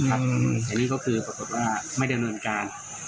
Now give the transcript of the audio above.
อันนี้ก็คือปรากฏว่าไม่ดำเนินการ